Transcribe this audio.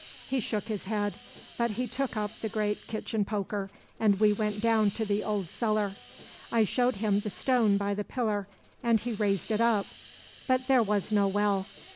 He shook his head, but he took up the great kitchen poker and we went down to the old cellar. I showed him the stone by the pillar, and he raised it up. But there was no well.